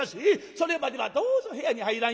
それまではどうぞ部屋に入らんように」。